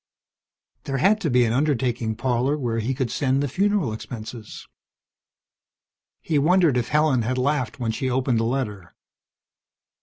There had to be an undertaking parlor where he could send the funeral expenses. He wondered if Helen had laughed when she opened the letter.